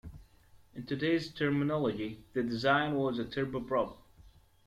In today's terminology the design was a turboprop.